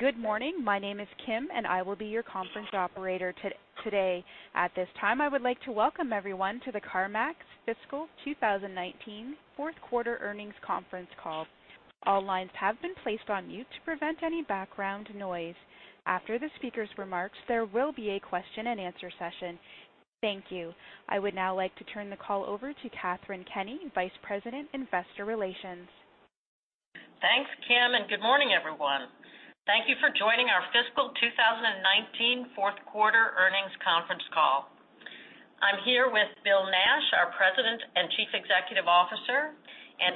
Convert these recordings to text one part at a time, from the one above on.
Good morning. My name is Kim, and I will be your conference operator today. At this time, I would like to welcome everyone to the CarMax Fiscal 2019 fourth quarter earnings conference call. All lines have been placed on mute to prevent any background noise. After the speaker's remarks, there will be a question and answer session. Thank you. I would now like to turn the call over to Katharine Kenny, Vice President, Investor Relations. Thanks, Kim, good morning, everyone. Thank you for joining our fiscal 2019 fourth quarter earnings conference call. I'm here with Bill Nash, our President and Chief Executive Officer,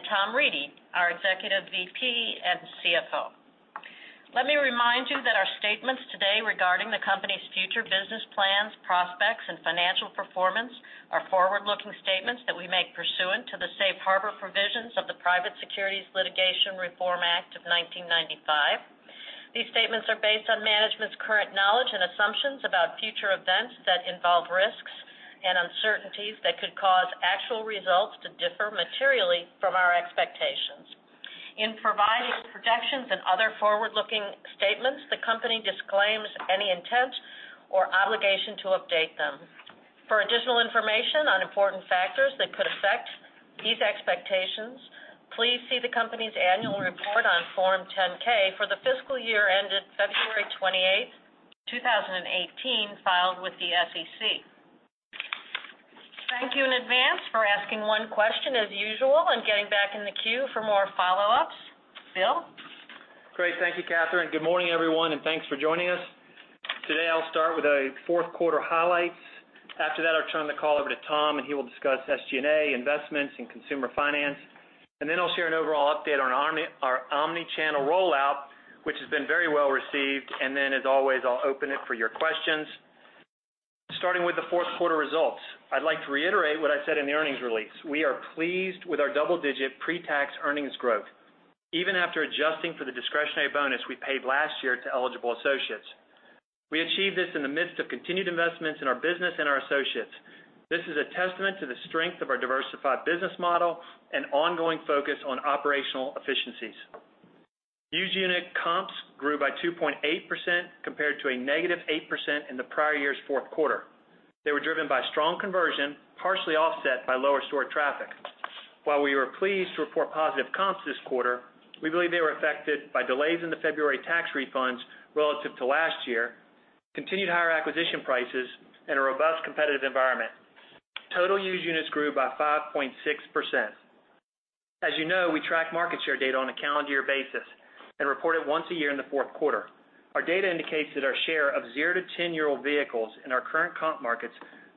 Tom Reedy, our Executive VP and CFO. Let me remind you that our statements today regarding the company's future business plans, prospects, and financial performance are forward-looking statements that we make pursuant to the safe harbor provisions of the Private Securities Litigation Reform Act of 1995. These statements are based on management's current knowledge and assumptions about future events that involve risks and uncertainties that could cause actual results to differ materially from our expectations. In providing projections and other forward-looking statements, the company disclaims any intent or obligation to update them. For additional information on important factors that could affect these expectations, please see the company's annual report on Form 10-K for the fiscal year ended February 28, 2018, filed with the SEC. Thank you in advance for asking one question, as usual, getting back in the queue for more follow-ups. Bill? Great. Thank you, Katharine. Good morning, everyone, thanks for joining us. Today, I'll start with a fourth quarter highlights. After that, I'll turn the call over to Tom, he will discuss SG&A, investments in consumer finance. I'll share an overall update on our omni-channel rollout, which has been very well received. As always, I'll open it for your questions. Starting with the fourth quarter results, I'd like to reiterate what I said in the earnings release. We are pleased with our double-digit pre-tax earnings growth, even after adjusting for the discretionary bonus we paid last year to eligible associates. We achieved this in the midst of continued investments in our business and our associates. This is a testament to the strength of our diversified business model and ongoing focus on operational efficiencies. Used unit comps grew by 2.8% compared to a negative 8% in the prior year's fourth quarter. They were driven by strong conversion, partially offset by lower store traffic. While we were pleased to report positive comps this quarter, we believe they were affected by delays in the February tax refunds relative to last year, continued higher acquisition prices, and a robust competitive environment. Total used units grew by 5.6%. As you know, we track market share data on a calendar year basis and report it once a year in the fourth quarter. Our data indicates that our share of zero to 10-year-old vehicles in our current comp markets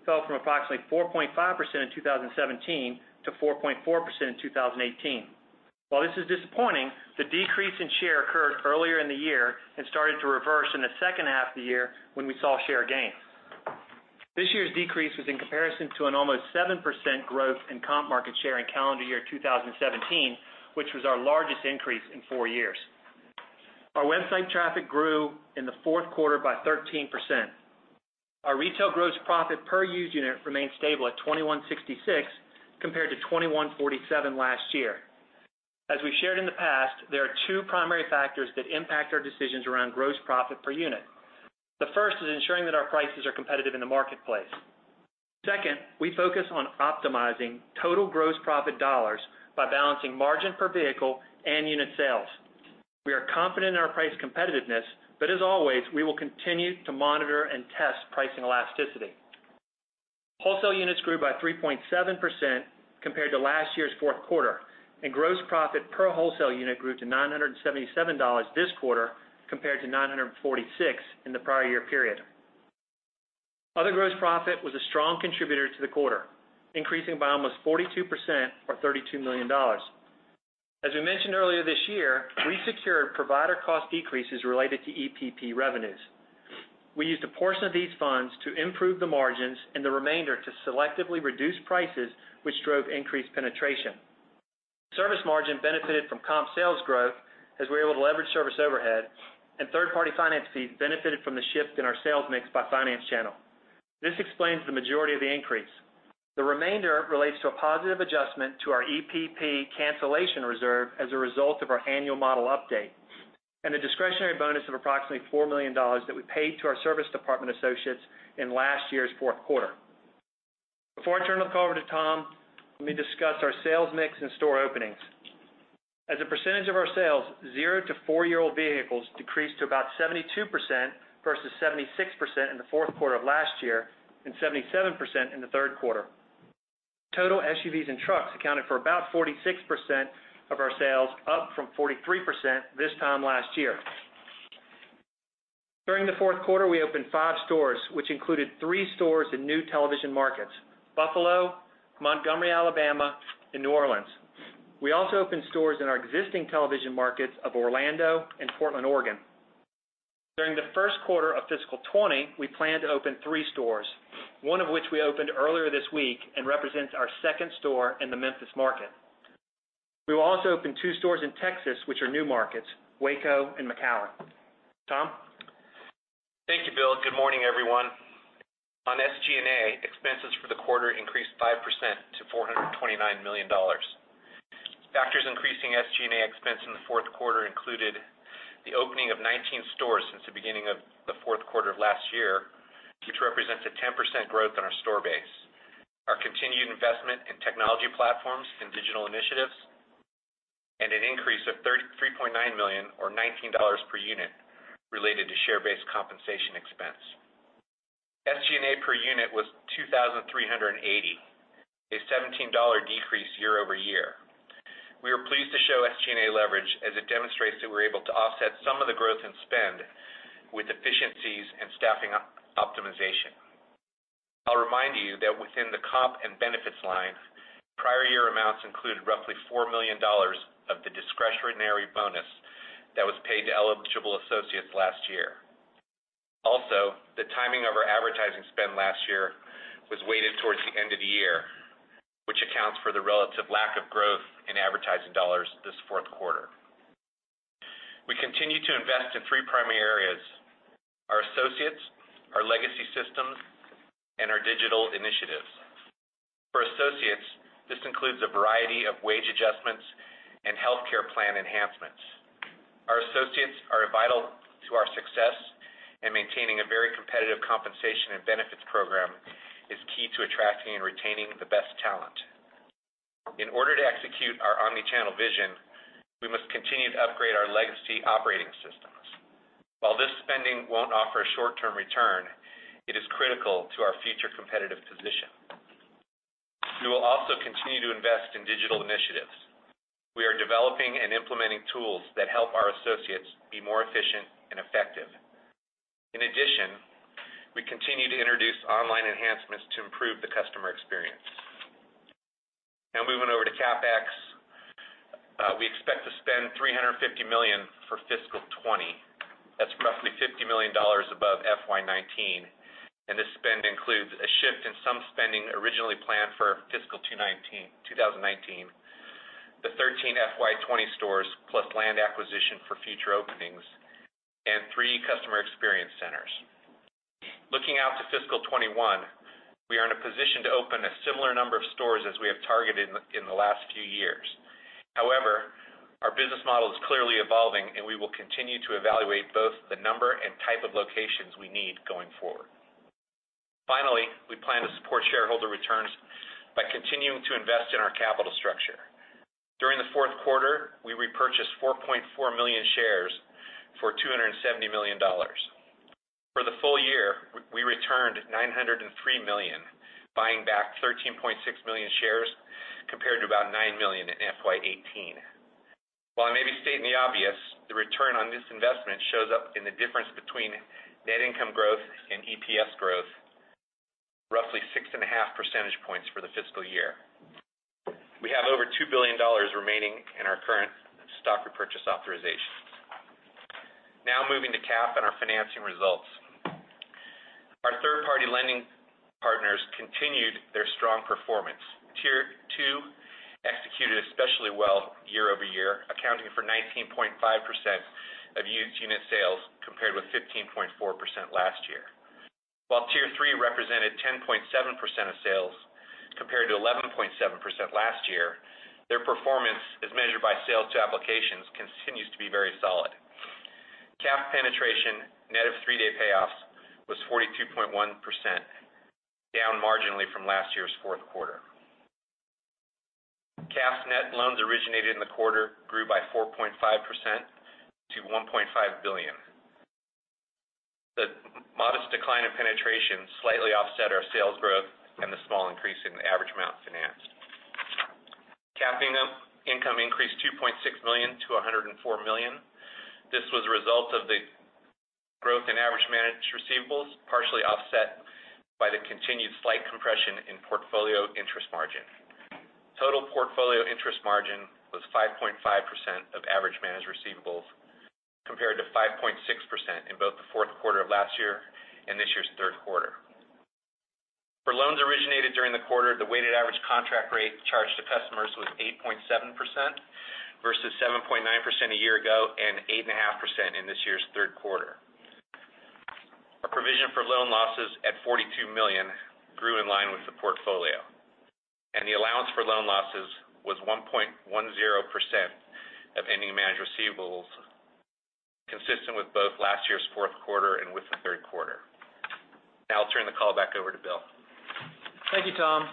fell from approximately 4.5% in 2017 to 4.4% in 2018. While this is disappointing, the decrease in share occurred earlier in the year and started to reverse in the second half of the year when we saw share gains. This year's decrease was in comparison to an almost 7% growth in comp market share in calendar year 2017, which was our largest increase in four years. Our website traffic grew in the fourth quarter by 13%. Our retail gross profit per used unit remained stable at $2,166 compared to $2,147 last year. As we've shared in the past, there are two primary factors that impact our decisions around gross profit per unit. The first is ensuring that our prices are competitive in the marketplace. As always, we will continue to monitor and test pricing elasticity. Wholesale units grew by 3.7% compared to last year's fourth quarter. Gross profit per wholesale unit grew to $977 this quarter compared to $946 in the prior year period. Other gross profit was a strong contributor to the quarter, increasing by almost 42%, or $32 million. As we mentioned earlier this year, we secured provider cost decreases related to EPP revenues. We used a portion of these funds to improve the margins and the remainder to selectively reduce prices, which drove increased penetration. Service margin benefited from comp sales growth as we were able to leverage service overhead. Third-party finance fees benefited from the shift in our sales mix by finance channel. This explains the majority of the increase. The remainder relates to a positive adjustment to our EPP cancellation reserve as a result of our annual model update. A discretionary bonus of approximately $4 million that we paid to our service department associates in last year's fourth quarter. Before I turn the call over to Tom, let me discuss our sales mix and store openings. As a percentage of our sales, zero to four-year-old vehicles decreased to about 72% versus 76% in the fourth quarter of last year and 77% in the third quarter. Total SUVs and trucks accounted for about 46% of our sales, up from 43% this time last year. During the fourth quarter, we opened five stores, which included three stores in new television markets, Buffalo, Montgomery, Alabama, and New Orleans. We also opened stores in our existing television markets of Orlando and Portland, Oregon. During the first quarter of fiscal 2020, we plan to open three stores, one of which we opened earlier this week and represents our second store in the Memphis market. We will also open two stores in Texas, which are new markets, Waco and McAllen. Tom? Thank you, Bill. Good morning, everyone. Dollars. Factors increasing SG&A expense in the fourth quarter included the opening of 19 stores since the beginning of the fourth quarter of last year, which represents a 10% growth in our store base, our continued investment in technology platforms and digital initiatives, and an increase of $33.9 million or $19 per unit related to share-based compensation expense. SG&A per unit was $2,380, a $17 decrease year-over-year. We are pleased to show SG&A leverage as it demonstrates that we're able to offset some of the growth in spend with efficiencies and staffing optimization. I'll remind you that within the comp and benefits line, prior year amounts included roughly $4 million of the discretionary bonus that was paid to eligible associates last year. The timing of our advertising spend last year was weighted towards the end of the year, which accounts for the relative lack of growth in advertising dollars this fourth quarter. We continue to invest in three primary areas, our associates, our legacy systems, and our digital initiatives. For associates, this includes a variety of wage adjustments and healthcare plan enhancements. Our associates are vital to our success, and maintaining a very competitive compensation and benefits program is key to attracting and retaining the best talent. In order to execute our omni-channel vision, we must continue to upgrade our legacy operating systems. While this spending won't offer a short-term return, it is critical to our future competitive position. We will also continue to invest in digital initiatives. We are developing and implementing tools that help our associates be more efficient and effective. In addition, we continue to introduce online enhancements to improve the customer experience. Now moving over to CapEx, we expect to spend $350 million for fiscal 2020. That is roughly $50 million above FY 2019, and this spend includes a shift in some spending originally planned for fiscal 2019, the 13 FY 2020 stores, plus land acquisition for future openings, and 3 customer experience centers. Looking out to fiscal 2021, we are in a position to open a similar number of stores as we have targeted in the last few years. However, our business model is clearly evolving, and we will continue to evaluate both the number and type of locations we need going forward. Finally, we plan to support shareholder returns by continuing to invest in our capital structure. During the fourth quarter, we repurchased 4.4 million shares for $270 million. For the full year, we returned $903 million, buying back 13.6 million shares compared to about 9 million in FY 2018. While I may be stating the obvious, the return on this investment shows up in the difference between net income growth and EPS growth, roughly 6.5 percentage points for the fiscal year. We have over $2 billion remaining in our current stock repurchase authorizations. Now moving to CAF and our financing results. Our third-party lending partners continued their strong performance. Tier 2 executed especially well year-over-year, accounting for 19.5% of used unit sales compared with 15.4% last year. While Tier 3 represented 10.7% of sales compared to 11.7% last year, their performance as measured by sales to applications continues to be very solid. CAF penetration, net of three-day payoffs, was 42.1%, down marginally from last year's fourth quarter. CAF's net loans originated in the quarter grew by 4.5% to $1.5 billion. The modest decline in penetration slightly offset our sales growth and the small increase in the average amount financed. CAF income increased $2.6 million to $104 million. This was a result of the growth in average managed receivables, partially offset by the continued slight compression in portfolio interest margin. Total portfolio interest margin was 5.5% of average managed receivables, compared to 5.6% in both the fourth quarter of last year and this year's third quarter. For loans originated during the quarter, the weighted average contract rate charged to customers was 8.7%, versus 7.9% a year ago and 8.5% in this year's third quarter. Our provision for loan losses at $42 million grew in line with the portfolio, and the allowance for loan losses was 1.10% of ending managed receivables, consistent with both last year's fourth quarter and with the third quarter. Now I will turn the call back over to Bill. Thank you, Tom.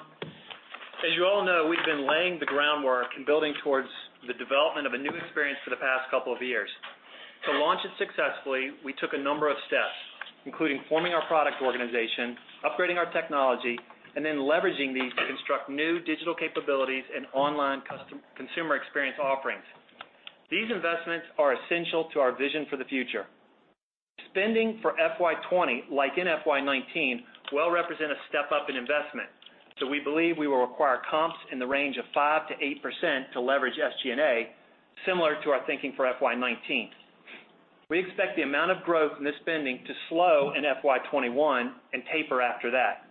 As you all know, we've been laying the groundwork and building towards the development of a new experience for the past couple of years. To launch it successfully, we took a number of steps, including forming our product organization, upgrading our technology, and leveraging these to construct new digital capabilities and online consumer experience offerings. These investments are essential to our vision for the future. Spending for FY 2020, like in FY 2019, will represent a step-up in investment. We believe we will require comps in the range of 5%-8% to leverage SG&A, similar to our thinking for FY 2019. We expect the amount of growth in this spending to slow in FY 2021 and taper after that.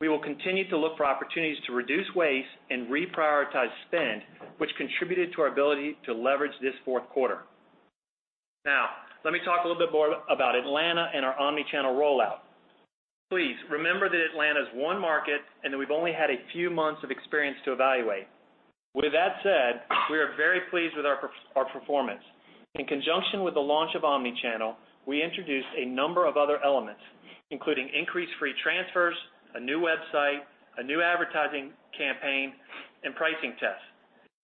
We will continue to look for opportunities to reduce waste and reprioritize spend, which contributed to our ability to leverage this fourth quarter. Let me talk a little bit more about Atlanta and our omni-channel rollout. Please remember that Atlanta's one market and that we've only had a few months of experience to evaluate. With that said, we are very pleased with our performance. In conjunction with the launch of omni-channel, we introduced a number of other elements, including increased free transfers, a new website, a new advertising campaign, and pricing tests.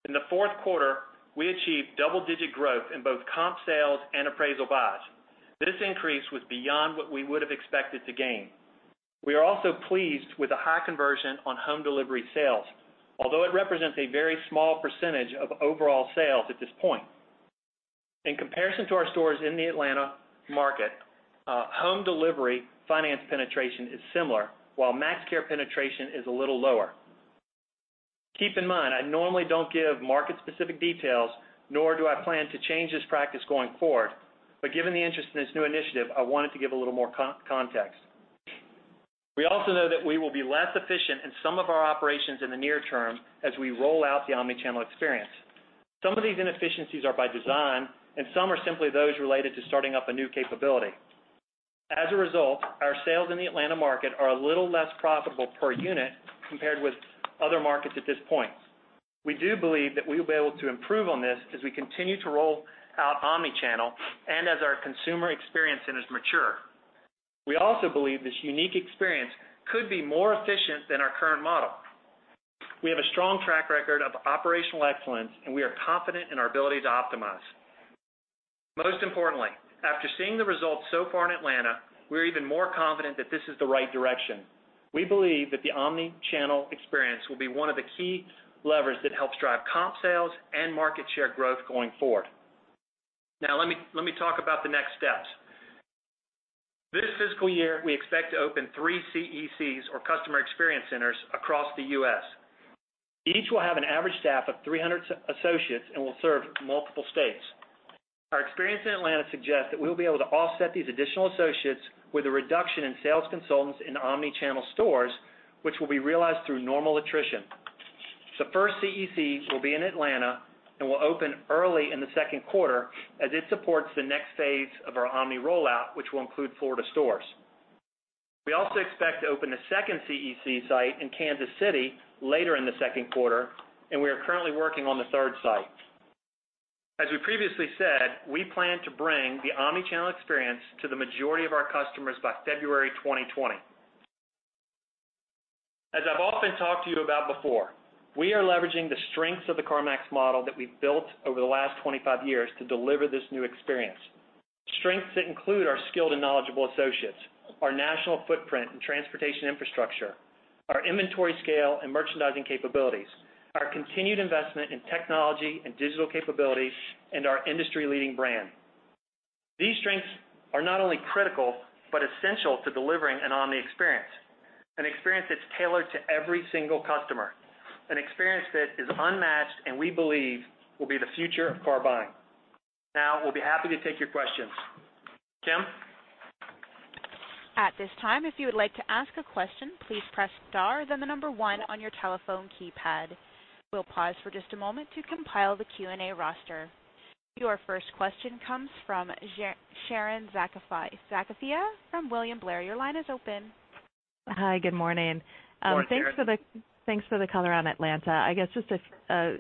In the fourth quarter, we achieved double-digit growth in both comp sales and appraisal buys. This increase was beyond what we would have expected to gain. We are also pleased with the high conversion on home delivery sales, although it represents a very small % of overall sales at this point. In comparison to our stores in the Atlanta market, home delivery finance penetration is similar, while MaxCare penetration is a little lower. Keep in mind, I normally don't give market-specific details, nor do I plan to change this practice going forward, but given the interest in this new initiative, I wanted to give a little more context. We also know that we will be less efficient in some of our operations in the near term as we roll out the omni-channel experience. Some of these inefficiencies are by design, and some are simply those related to starting up a new capability. As a result, our sales in the Atlanta market are a little less profitable per unit compared with other markets at this point. We do believe that we will be able to improve on this as we continue to roll out omni-channel and as our customer experience centers mature. We also believe this unique experience could be more efficient than our current model. We have a strong track record of operational excellence, and we are confident in our ability to optimize. Most importantly, after seeing the results so far in Atlanta, we're even more confident that this is the right direction. We believe that the omni-channel experience will be one of the key levers that helps drive comp sales and market share growth going forward. Let me talk about the next steps. This fiscal year, we expect to open 3 CECs or customer experience centers across the U.S. Each will have an average staff of 300 associates and will serve multiple states. Our experience in Atlanta suggests that we will be able to offset these additional associates with a reduction in sales consultants in omni-channel stores, which will be realized through normal attrition. The first CEC will be in Atlanta and will open early in the second quarter as it supports the next phase of our omni rollout, which will include Florida stores. We also expect to open a second CEC site in Kansas City later in the second quarter, and we are currently working on the third site. As we previously said, we plan to bring the omni-channel experience to the majority of our customers by February 2020. As I've often talked to you about before, we are leveraging the strengths of the CarMax model that we've built over the last 25 years to deliver this new experience. Strengths that include our skilled and knowledgeable associates, our national footprint and transportation infrastructure, our inventory scale and merchandising capabilities, our continued investment in technology and digital capabilities, and our industry-leading brand. These strengths are not only critical but essential to delivering an omni-experience, an experience that's tailored to every single customer, an experience that is unmatched and we believe will be the future of car buying. Now, we'll be happy to take your questions. Kim? At this time, if you would like to ask a question, please press star then the number 1 on your telephone keypad. We'll pause for just a moment to compile the Q&A roster. Your first question comes from Sharon Zackfia from William Blair. Your line is open. Hi, good morning. Good morning, Sharon. Thanks for the color on Atlanta. I guess just a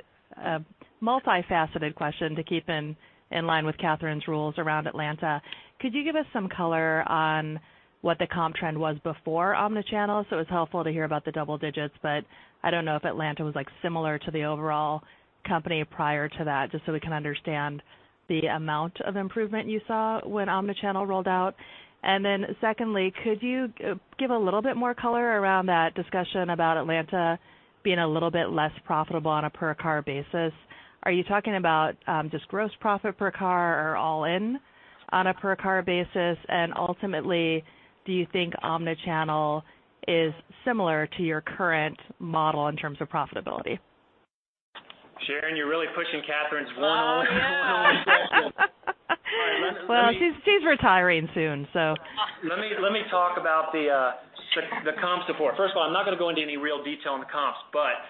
multifaceted question to keep in line with Katharine's rules around Atlanta. Could you give us some color on what the comp trend was before omni-channel? It was helpful to hear about the double digits, but I don't know if Atlanta was similar to the overall company prior to that, just so we can understand the amount of improvement you saw when omni-channel rolled out. Secondly, could you give a little bit more color around that discussion about Atlanta being a little bit less profitable on a per car basis? Are you talking about just gross profit per car or all-in on a per car basis? And ultimately, do you think omni-channel is similar to your current model in terms of profitability? Sharon, you're really pushing Katharine's one-on-one question. Oh, no. All right. Well, she's retiring soon. Let me talk about the comps before. First of all, I'm not going to go into any real detail on the comps, but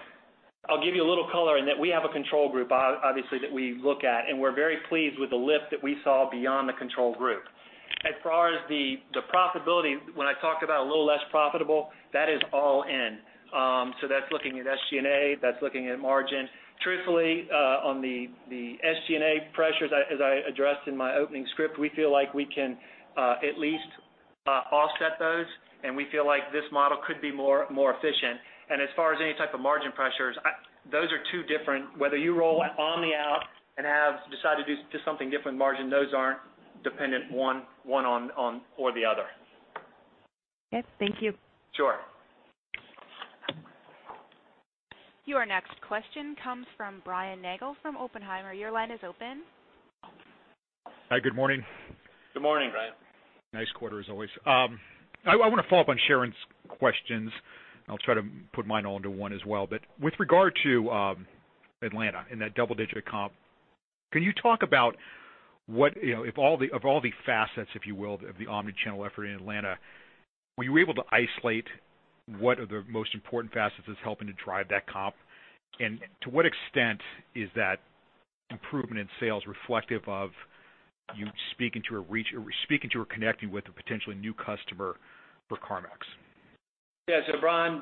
I'll give you a little color in that we have a control group obviously that we look at and we're very pleased with the lift that we saw beyond the control group. As far as the profitability, when I talk about a little less profitable, that is all in. That's looking at SG&A, that's looking at margin. Truthfully, on the SG&A pressures, as I addressed in my opening script, we feel like we can at least offset those and we feel like this model could be more efficient. As far as any type of margin pressures, those are two different, whether you roll omni out and have decided to do something different margin, those aren't dependent one on or the other. Okay, thank you. Sure. Your next question comes from Brian from Oppenheimer. Your line is open. Hi, good morning. Good morning, Brian. Nice quarter as always. I'll try to put mine all into one as well. With regard to Atlanta and that double-digit comp, can you talk about of all the facets, if you will, of the omni-channel effort in Atlanta? Were you able to isolate what are the most important facets that's helping to drive that comp? To what extent is that improvement in sales reflective of you speaking to or connecting with a potentially new customer for CarMax? Yeah. Brian,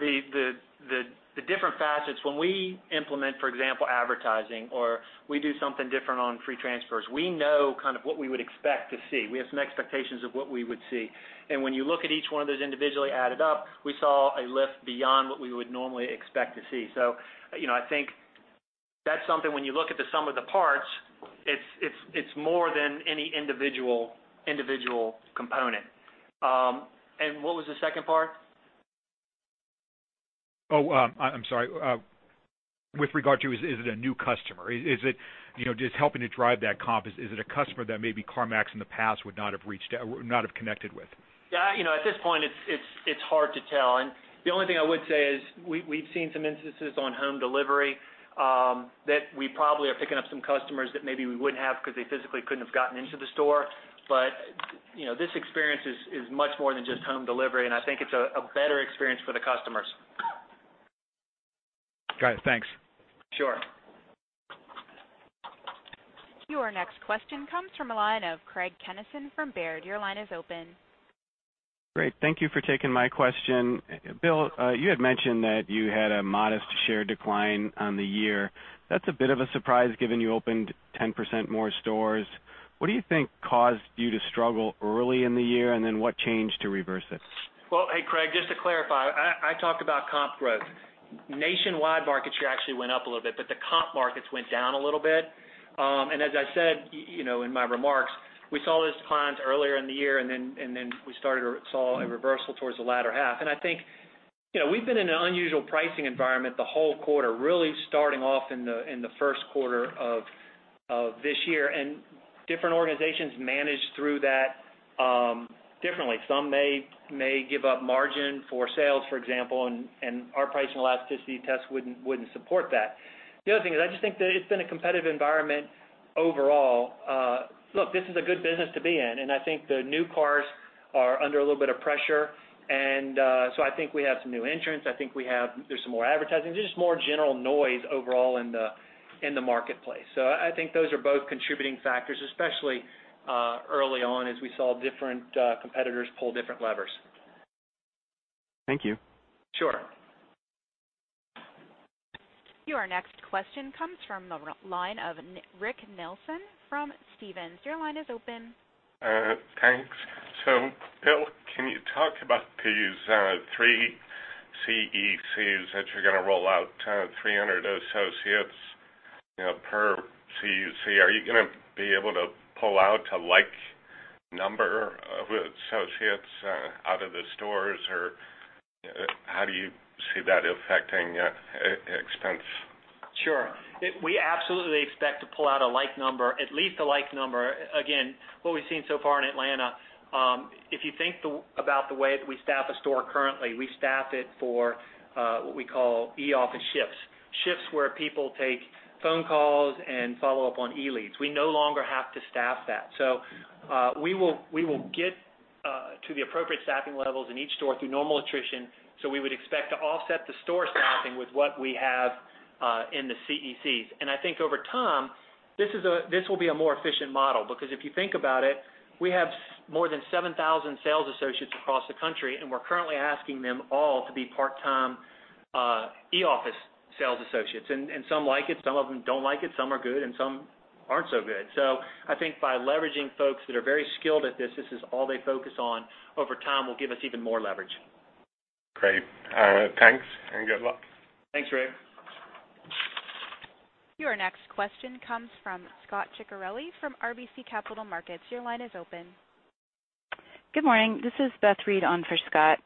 the different facets when we implement, for example, advertising or we do something different on free transfers, we know kind of what we would expect to see. We have some expectations of what we would see. When you look at each one of those individually added up, we saw a lift beyond what we would normally expect to see. I think that's something when you look at the sum of the parts, it's more than any individual component. What was the second part? Oh, I'm sorry. With regard to, is it a new customer? Just helping to drive that comp, is it a customer that maybe CarMax in the past would not have connected with? Yeah. At this point it's hard to tell. The only thing I would say is we've seen some instances on home delivery, that we probably are picking up some customers that maybe we wouldn't have because they physically couldn't have gotten into the store. This experience is much more than just home delivery, and I think it's a better experience for the customers. Got it. Thanks. Sure. Your next question comes from the line of Craig Kennison from Baird. Your line is open. Great. Thank you for taking my question. Bill, you had mentioned that you had a modest share decline on the year. That's a bit of a surprise given you opened 10% more stores. What do you think caused you to struggle early in the year, and then what changed to reverse it? Well, hey Craig, just to clarify, I talked about comp growth. Nationwide market share actually went up a little bit, but the comp markets went down a little bit. As I said in my remarks, we saw those declines earlier in the year and then we started or saw a reversal towards the latter half. I think we've been in an unusual pricing environment the whole quarter, really starting off in the first quarter of this year. Different organizations manage through that differently. Some may give up margin for sales, for example, and our pricing elasticity test wouldn't support that. The other thing is, I just think that it's been a competitive environment overall. Look, this is a good business to be in, and I think the new cars are under a little bit of pressure. I think we have some new entrants. I think there's some more advertising, there's just more general noise overall in the marketplace. I think those are both contributing factors, especially early on as we saw different competitors pull different levers. Thank you. Sure. Your next question comes from the line of Rick Nelson from Stephens. Your line is open. Thanks. Bill, can you talk about these 3 CECs that you're going to roll out to 300 associates per CEC? Are you going to be able to pull out a like number of associates out of the stores or how do you see that affecting expense? Sure. We absolutely expect to pull out a like number, at least a like number. Again, what we've seen so far in Atlanta, if you think about the way that we staff a store currently, we staff it for what we call e-office shifts. Shifts where people take phone calls and follow up on e-leads. We no longer have to staff that. We will get to the appropriate staffing levels in each store through normal attrition, so we would expect to offset the store staffing with what we have in the CECs. I think over time, this will be a more efficient model. If you think about it, we have more than 7,000 sales associates across the country, and we're currently asking them all to be part-time e-office sales associates. Some like it, some of them don't like it, some are good and some aren't so good. I think by leveraging folks that are very skilled at this is all they focus on, over time will give us even more leverage. Great. Thanks and good luck. Thanks, Rick. Your next question comes from Scot Ciccarelli from RBC Capital Markets. Your line is open. Good morning. This is Beth Reed on for Scot.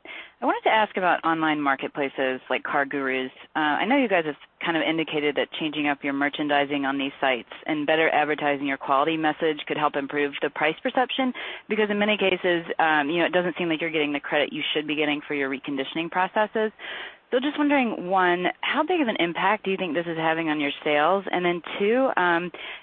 I wanted to ask about online marketplaces like CarGurus. I know you guys have kind of indicated that changing up your merchandising on these sites and better advertising your quality message could help improve the price perception, because in many cases, it doesn't seem like you're getting the credit you should be getting for your reconditioning processes. Just wondering, one, how big of an impact do you think this is having on your sales? Two,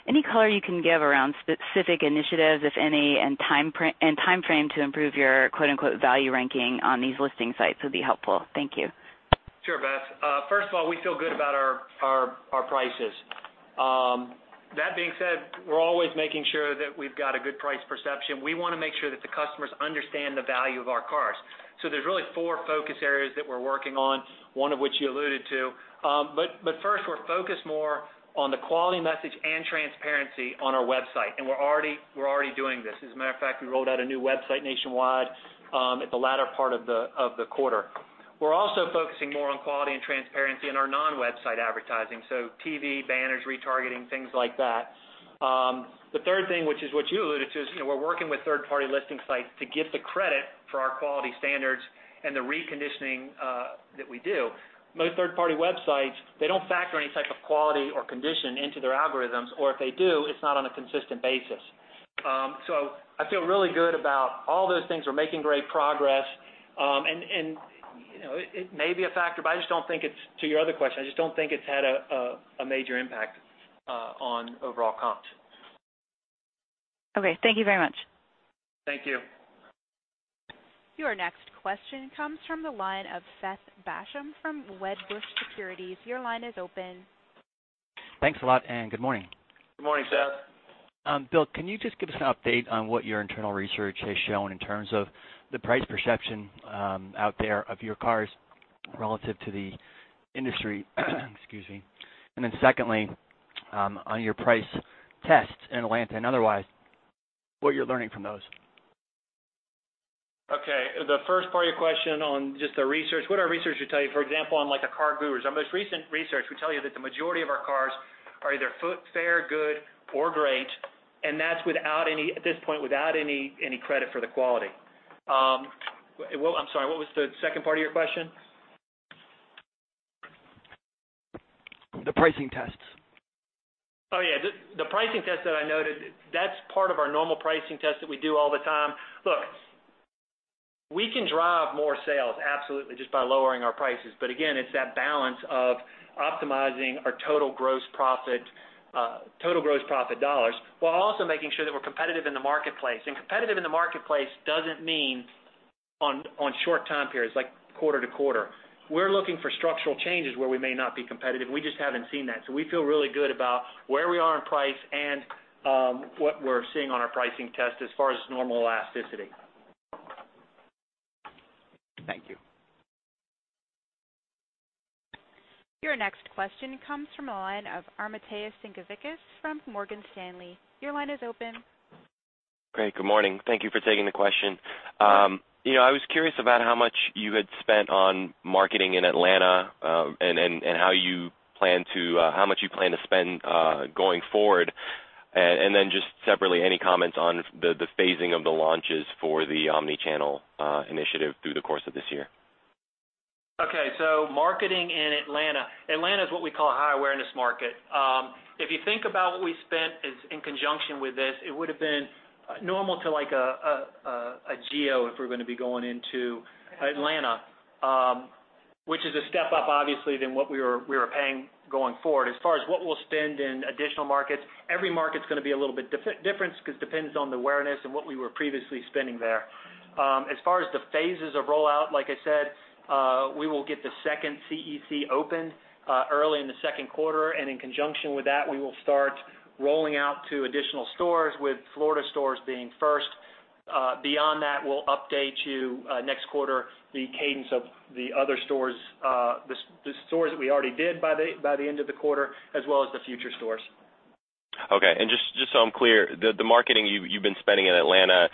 any color you can give around specific initiatives, if any, and timeframe to improve your quote unquote "value ranking" on these listing sites would be helpful. Thank you. Sure, Beth. First of all, we feel good about our prices. That being said, we're always making sure that we've got a good price perception. We want to make sure that the customers understand the value of our cars. There's really four focus areas that we're working on, one of which you alluded to. First we're focused more on the quality message and transparency on our website. We're already doing this. As a matter of fact, we rolled out a new website nationwide, at the latter part of the quarter. We're also focusing more on quality and transparency in our non-website advertising. TV, banners, retargeting, things like that. The third thing, which is what you alluded to, is we're working with third-party listing sites to get the credit for our quality standards and the reconditioning that we do. Most third-party websites, they don't factor any type of quality or condition into their algorithms. If they do, it's not on a consistent basis. I feel really good about all those things. We're making great progress. It may be a factor, but to your other question, I just don't think it's had a major impact on overall comps. Okay, thank you very much. Thank you. Your next question comes from the line of Seth Basham from Wedbush Securities. Your line is open. Thanks a lot, good morning. Good morning, Seth. Bill, can you just give us an update on what your internal research has shown in terms of the price perception out there of your cars relative to the industry? Excuse me. Secondly, on your price tests in Atlanta and otherwise, what you're learning from those. Okay. The first part of your question on just the research. What our research would tell you, for example, on, like, a CarGurus, our most recent research would tell you that the majority of our cars are either fair, good, or great, and that's, at this point, without any credit for the quality. I'm sorry, what was the second part of your question? The pricing tests. Oh, yeah. The pricing test that I noted, that's part of our normal pricing test that we do all the time. Look, we can drive more sales absolutely just by lowering our prices. Again, it's that balance of optimizing our total gross profit dollars, while also making sure that we're competitive in the marketplace. Competitive in the marketplace doesn't mean on short time periods, like quarter-to-quarter. We're looking for structural changes where we may not be competitive, and we just haven't seen that. We feel really good about where we are in price and what we're seeing on our pricing test as far as normal elasticity. Thank you. Your next question comes from the line of Armintas Sinkevicius from Morgan Stanley. Your line is open. Great. Good morning. Thank you for taking the question. Yeah. I was curious about how much you had spent on marketing in Atlanta, and how much you plan to spend going forward. Then just separately, any comments on the phasing of the launches for the omni-channel initiative through the course of this year? Okay. Marketing in Atlanta. Atlanta is what we call a high awareness market. If you think about what we spent in conjunction with this, it would've been normal to, like, a geo if we're going to be going into Atlanta, which is a step up, obviously, than what we were paying going forward. As far as what we'll spend in additional markets, every market's going to be a little bit different because it depends on the awareness and what we were previously spending there. As far as the phases of rollout, like I said, we will get the second CEC open early in the second quarter. In conjunction with that, we will start rolling out to additional stores, with Florida stores being first. Beyond that, we'll update you next quarter, the cadence of the other stores, the stores that we already did by the end of the quarter, as well as the future stores. Okay. Just so I'm clear, the marketing you've been spending in Atlanta,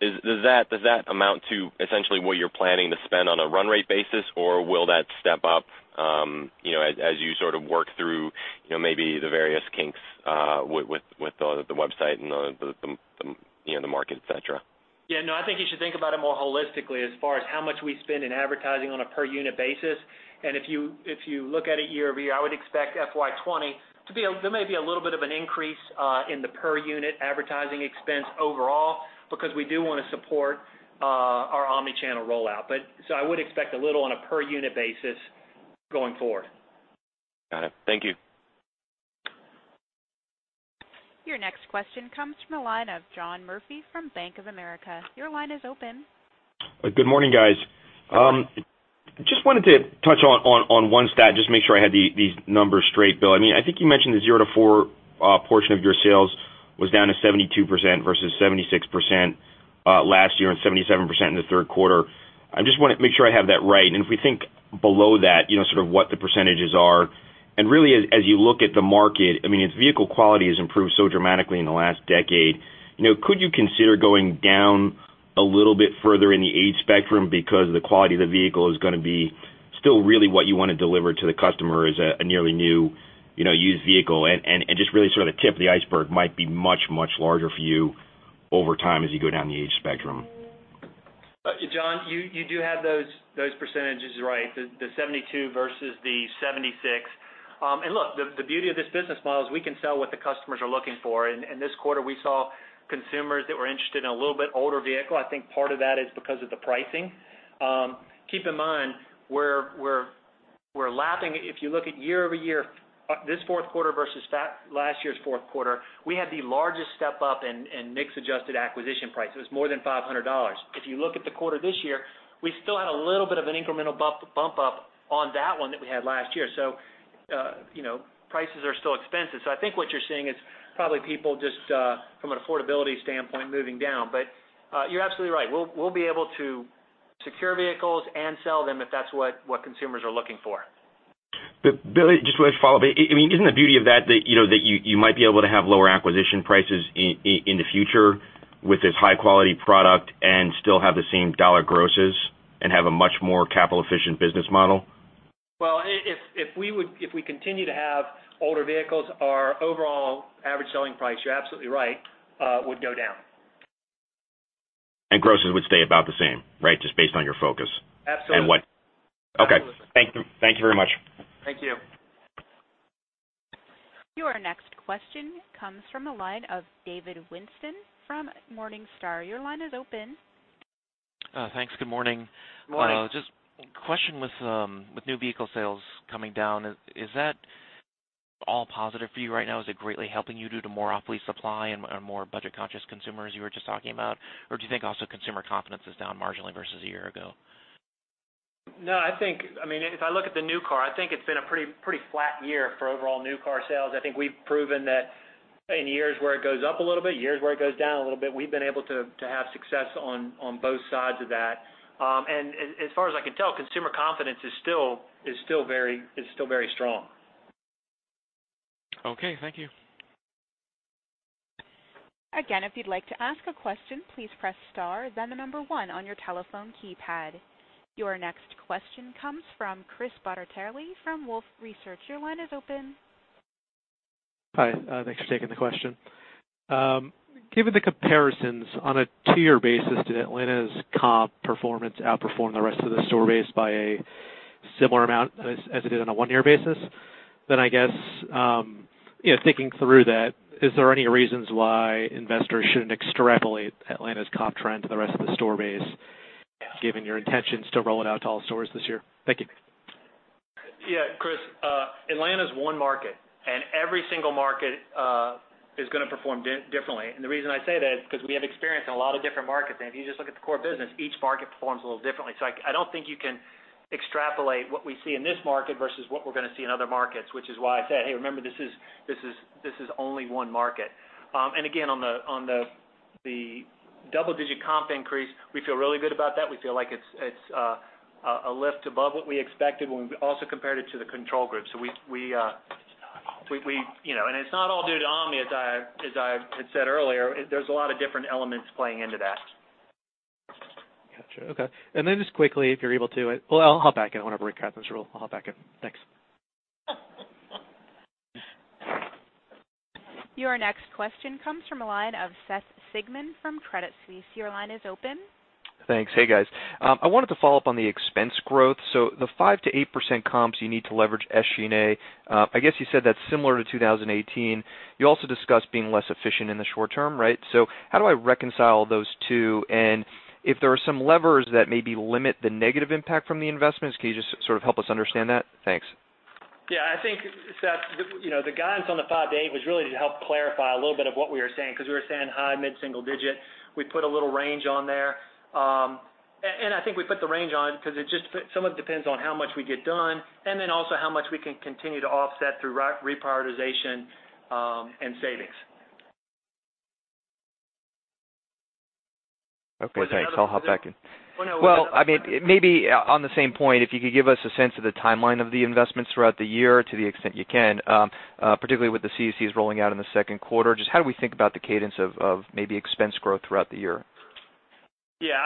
does that amount to essentially what you're planning to spend on a run rate basis, or will that step up as you sort of work through maybe the various kinks with the website and the market, et cetera? Yeah, no, I think you should think about it more holistically as far as how much we spend in advertising on a per unit basis. If you look at it year-over-year, I would expect FY 2020 to be a There may be a little bit of an increase in the per unit advertising expense overall because we do want to support our omni-channel rollout. I would expect a little on a per unit basis going forward. Got it. Thank you. Your next question comes from the line of John Murphy from Bank of America. Your line is open. Good morning, guys. Just wanted to touch on one stat, just make sure I had these numbers straight, Bill. I think you mentioned the zero to four portion of your sales was down to 72% versus 76% last year and 77% in the third quarter. I just want to make sure I have that right. If we think below that, sort of what the percentages are, and really as you look at the market, its vehicle quality has improved so dramatically in the last decade. Could you consider going down a little bit further in the age spectrum because the quality of the vehicle is going to be still really what you want to deliver to the customer is a nearly new used vehicle, and just really sort of tip of the iceberg might be much, much larger for you over time as you go down the age spectrum? John, you do have those percentages right, the 72% versus the 76%. Look, the beauty of this business model is we can sell what the customers are looking for. In this quarter, we saw consumers that were interested in a little bit older vehicle. I think part of that is because of the pricing. Keep in mind, we're lapping. If you look at year-over-year, this fourth quarter versus last year's fourth quarter, we had the largest step up in mix adjusted acquisition price. It was more than $500. If you look at the quarter this year, we still had a little bit of an incremental bump up on that one that we had last year. Prices are still expensive. I think what you're seeing is probably people just from an affordability standpoint moving down. You're absolutely right. We'll be able to secure vehicles and sell them if that's what consumers are looking for. Bill, just wanted to follow up. Isn't the beauty of that you might be able to have lower acquisition prices in the future with this high-quality product and still have the same dollar grosses and have a much more capital efficient business model? If we continue to have older vehicles, our overall average selling price, you're absolutely right, would go down. Grosses would stay about the same, right? Just based on your focus. Absolutely. What Okay. Absolutely. Thank you very much. Thank you. Your next question comes from the line of David Whiston from Morningstar.. Your line is open. Thanks. Good morning. Good morning. Just a question with new vehicle sales coming down. Is that all positive for you right now? Is it greatly helping you due to more off-lease supply and more budget-conscious consumers you were just talking about? Or do you think also consumer confidence is down marginally versus a year ago? No. If I look at the new car, I think it's been a pretty flat year for overall new car sales. I think we've proven that in years where it goes up a little bit, years where it goes down a little bit, we've been able to have success on both sides of that. As far as I can tell, consumer confidence is still very strong. Okay, thank you. Again, if you'd like to ask a question, please press star then the number 1 on your telephone keypad. Your next question comes from Chris Bottiglieri from Wolfe Research. Your line is open. Hi, thanks for taking the question. Given the comparisons on a 2-year basis, did Atlanta's comp performance outperform the rest of the store base by a similar amount as it did on a 1-year basis? I guess, thinking through that, is there any reasons why investors shouldn't extrapolate Atlanta's comp trend to the rest of the store base, given your intentions to roll it out to all stores this year? Thank you. Yeah. Chris, Atlanta's one market. Every single market is going to perform differently. The reason I say that is because we have experience in a lot of different markets. If you just look at the core business, each market performs a little differently. I don't think you can extrapolate what we see in this market versus what we're going to see in other markets, which is why I said, hey, remember, this is only one market. Again, on the double-digit comp increase, we feel really good about that. We feel like it's a lift above what we expected when we also compared it to the control group. It's not all due to omni, as I had said earlier. There's a lot of different elements playing into that. Got you. Okay. Just quickly, if you're able to, well, I'll hop back in. I don't want to break Katharine's rule. I'll hop back in. Thanks. Your next question comes from the line of Seth Sigman from Credit Suisse. Your line is open. Thanks. Hey, guys. I wanted to follow up on the expense growth. The 5%-8% comps you need to leverage SG&A, I guess you said that's similar to 2018. You also discussed being less efficient in the short term, right? How do I reconcile those two? If there are some levers that maybe limit the negative impact from the investments, can you just sort of help us understand that? Thanks. Yeah. I think, Seth, the guidance on the five to eight was really to help clarify a little bit of what we were saying, because we were saying high mid-single digit. We put a little range on there. I think we put the range on it because some of it depends on how much we get done and then also how much we can continue to offset through reprioritization and savings. Okay, thanks. I'll hop back in. No. Well, maybe on the same point, if you could give us a sense of the timeline of the investments throughout the year to the extent you can, particularly with the CECs rolling out in the second quarter. Just how do we think about the cadence of maybe expense growth throughout the year? Yeah.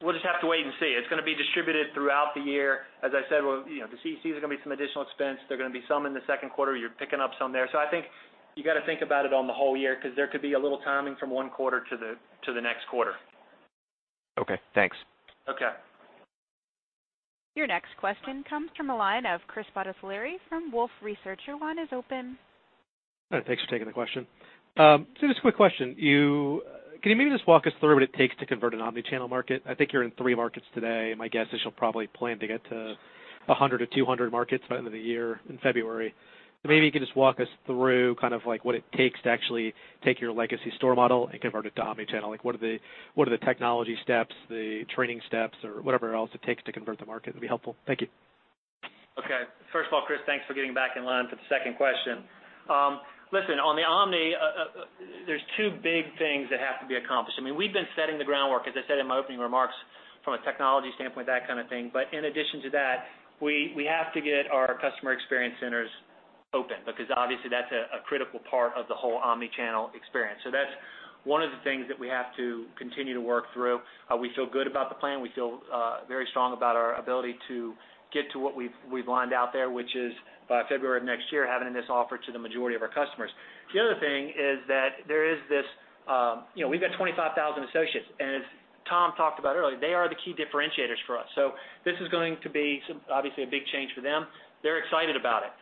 We'll just have to wait and see. It's going to be distributed throughout the year. As I said, the CECs are going to be some additional expense. They're going to be some in the second quarter. You're picking up some there. I think you got to think about it on the whole year because there could be a little timing from one quarter to the next quarter. Okay, thanks. Okay. Your next question comes from the line of Chris Bottiglieri from Wolfe Research. Your line is open. Thanks for taking the question. Just a quick question. Can you maybe just walk us through what it takes to convert an omni-channel market? I think you're in three markets today, and my guess is you'll probably plan to get to 100 to 200 markets by the end of the year in February. Maybe you could just walk us through kind of what it takes to actually take your legacy store model and convert it to omni-channel. What are the technology steps, the training steps, or whatever else it takes to convert the market? That'd be helpful. Thank you. Okay. First of all, Chris, thanks for getting back in line for the second question. Listen, on the omni, there's two big things that have to be accomplished. We've been setting the groundwork, as I said in my opening remarks, from a technology standpoint, that kind of thing. In addition to that, we have to get our customer experience centers open, because obviously that's a critical part of the whole omni-channel experience. That's one of the things that we have to continue to work through. We feel good about the plan. We feel very strong about our ability to get to what we've lined out there, which is by February of next year, having this offered to the majority of our customers. The other thing is that there is this, we've got 25,000 associates. As Tom talked about earlier, they are the key differentiators for us. This is going to be obviously a big change for them. They're excited about it.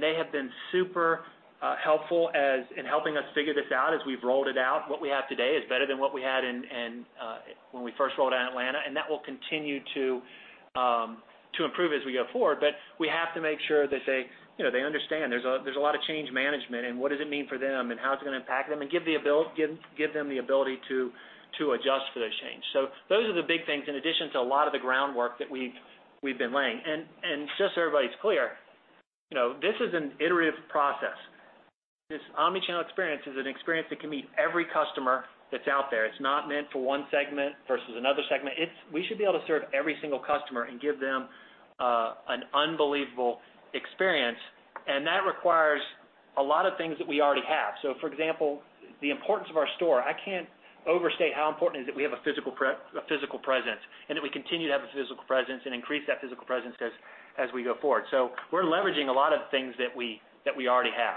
They have been super helpful in helping us figure this out as we've rolled it out. What we have today is better than what we had when we first rolled out Atlanta, and that will continue to improve as we go forward. We have to make sure that they understand there's a lot of change management and what does it mean for them and how it's going to impact them and give them the ability to adjust for those changes. Those are the big things in addition to a lot of the groundwork that we've been laying. Just so everybody's clear, this is an iterative process. This omni-channel experience is an experience that can meet every customer that's out there. It's not meant for one segment versus another segment. We should be able to serve every single customer and give them an unbelievable experience, and that requires a lot of things that we already have. For example, the importance of our store, I can't overstate how important it is that we have a physical presence and that we continue to have a physical presence and increase that physical presence as we go forward. We're leveraging a lot of things that we already have.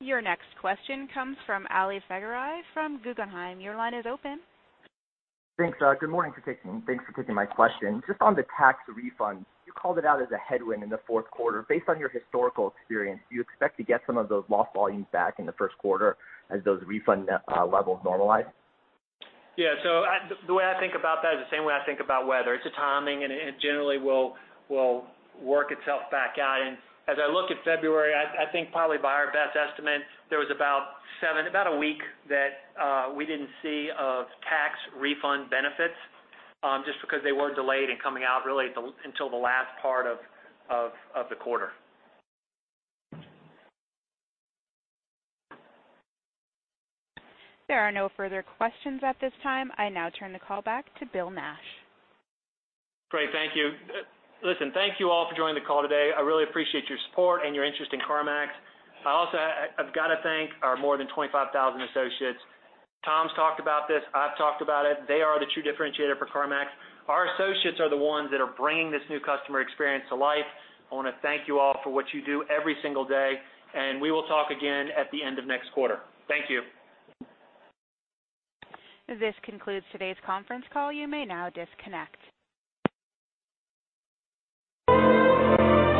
Your next question comes from Ali Faghri from Guggenheim. Your line is open. Thanks. Good morning. Thanks for taking my question. Just on the tax refund, you called it out as a headwind in the fourth quarter. Based on your historical experience, do you expect to get some of those lost volumes back in the first quarter as those refund levels normalize? The way I think about that is the same way I think about weather. It's a timing. It generally will work itself back out. As I look at February, I think probably by our best estimate, there was about a week that we didn't see of tax refund benefits just because they were delayed and coming out really until the last part of the quarter. There are no further questions at this time. I now turn the call back to Bill Nash. Great. Thank you. Listen, thank you all for joining the call today. I really appreciate your support and your interest in CarMax. I also have got to thank our more than 25,000 associates. Tom's talked about this. I've talked about it. They are the true differentiator for CarMax. Our associates are the ones that are bringing this new customer experience to life. I want to thank you all for what you do every single day. We will talk again at the end of next quarter. Thank you. This concludes today's conference call. You may now disconnect.